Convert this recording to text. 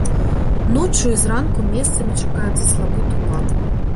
Ноччу і зранку месцамі чакаецца слабы туман.